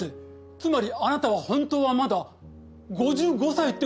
つまりあなたは本当はまだ５５歳って事ですか！？